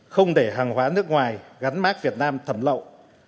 không để hàng hóa nước ngoài gắn mát việt nam thẩm lậu